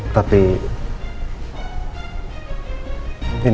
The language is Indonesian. tapi ini membuat aku semakin penasaran